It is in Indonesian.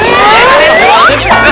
jauh jauhnya dikawal pasal dia